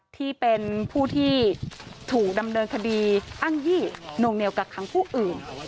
ที่เป็นผู้ที่ถูกดำเนินคดีอ้างยี่นวงเหนียวกักขังผู้อื่น